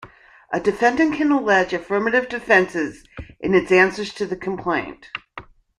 A defendant can allege affirmative defenses in its answer to the complaint.